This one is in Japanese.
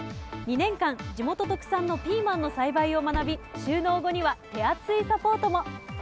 ２年間、地元特産のピーマンの栽培を学び就農後には手厚いサポートも。